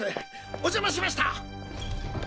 お邪魔しました！